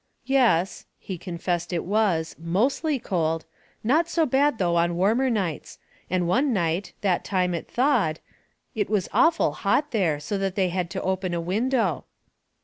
" Yes," he confessed it was, " mostly cold ; not so bad, though, on warmer nights ; and one night, that time it thawed, it was awful hot there, so they had to open a window."